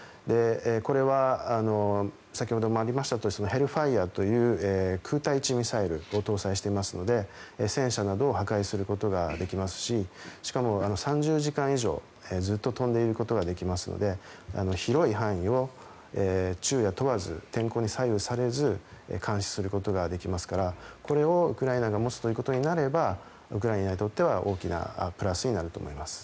これは先ほどもありましたがヘルファイアという空対地ミサイルを搭載していますので戦車などを破壊することができますししかも３０時間以上ずっと飛んでいることができますので広い範囲を昼夜問わず天候に左右されず監視することができますからこれをウクライナが持つということになればウクライナにとっては大きなプラスになると思います。